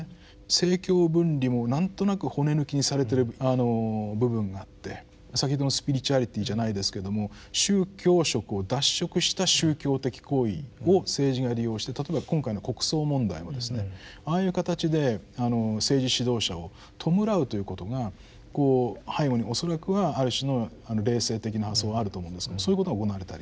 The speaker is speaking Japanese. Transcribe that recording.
政教分離も何となく骨抜きにされてる部分があって先ほどのスピリチュアリティじゃないですけども宗教色を脱色した宗教的行為を政治が利用して例えば今回の国葬問題もですねああいう形で政治指導者を弔うということが背後に恐らくはある種の霊性的な発想あると思うんですけれどもそういうことが行われたり。